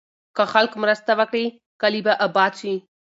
که خلک مرسته وکړي، کلي به اباد شي.